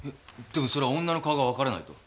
でもそれ女の顔がわからないと。